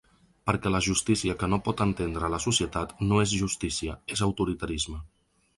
Perquè la justícia que no pot entendre la societat no és justícia, és autoritarisme.